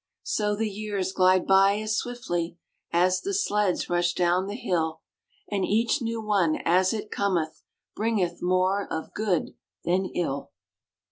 So the years glide by as swiftly As the sleds rush down the hill, And each new one as it cometh Bringeth more of good than ill.